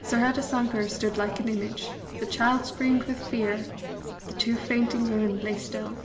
Saradasankar stood like an image; the child screamed with fear, the two fainting women lay still.